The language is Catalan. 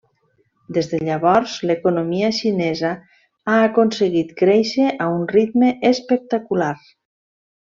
Des de llavors, l'economia xinesa ha aconseguit créixer a un ritme espectacular.